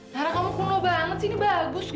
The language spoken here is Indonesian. nara kamu penuh banget sih ini bagus kok